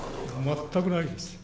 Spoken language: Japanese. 全くないです。